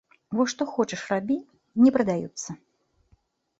Вось што хочаш рабі, не прадаюцца.